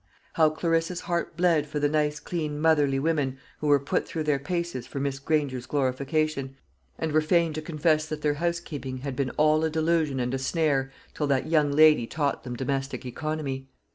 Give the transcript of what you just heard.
How Clarissa's heart bled for the nice clean motherly women who were put through their paces for Miss Granger's glorification, and were fain to confess that their housekeeping had been all a delusion and a snare till that young lady taught them domestic economy!